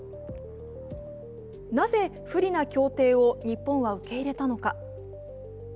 なぜ不利な協定を日本は受け入れたのか。